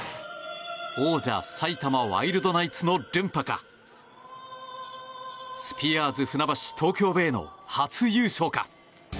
王者埼玉ワイルドナイツの連覇かスピアーズ船橋・東京ベイの初優勝か。